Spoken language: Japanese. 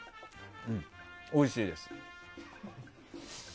おいしいです。